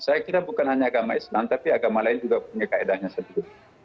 saya kira bukan hanya agama islam tapi agama lain juga punya kaedahnya sendiri